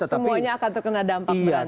semuanya akan terkena dampak berat